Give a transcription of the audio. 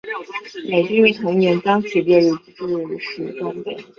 美军于同年将其列入制式装备。